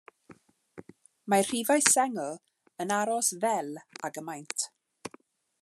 Mae rhifau sengl yn aros fel ag y maent.